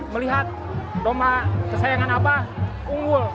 melihat doma kesayangan abah unggul